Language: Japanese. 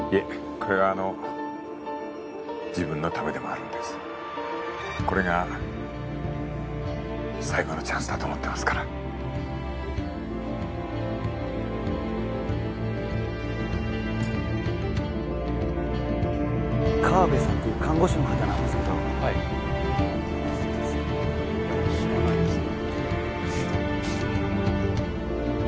これはあの自分のためでもあるんですこれが最後のチャンスだと思ってますからカワベさんという看護師の方なんですけど知らないですね